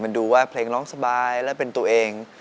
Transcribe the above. มันดูว่าเพลงน้องสบายและเป็นตัวเอง